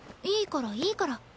いいからいいから。